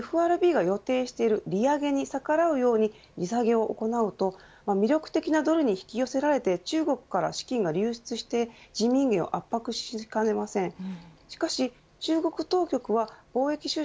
ＦＲＢが予定している利上げに逆らうように利下げを行うと魅力的なドルに引き寄せられて中国から資金が流出して人民元を圧迫しかねません。